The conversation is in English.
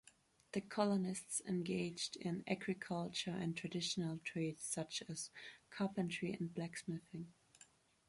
The colonists engaged in agriculture and traditional trades such as carpentry and blacksmithing.